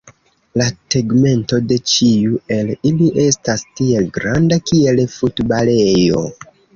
La tegmento de ĉiu el ili estas tiel granda kiel futbalejo.